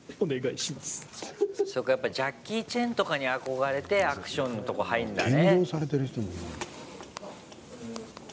そうか、やっぱジャッキー・チェンとかに憧れてアクションのとこ入るんだね。